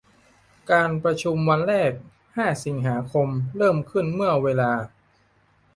การประชุมวันแรก ห้า สิงหาคม เริ่มขึ้นเมื่อเวลา